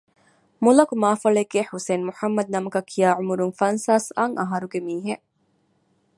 މުލަކު މާފޮޅޭގޭ ޙުސައިން މުޙައްމަދު ނަމަކަށްކިޔާ ޢުމުރުން ފަންސާސް އަށް އަހަރުގެ މީހެއް